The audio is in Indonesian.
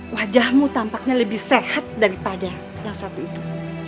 wajahmu tampaknya lebih sehat daripada yang satu itu